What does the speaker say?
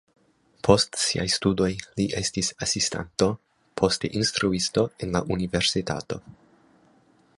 Post siaj studoj li estis asistanto, poste instruisto en la universitato.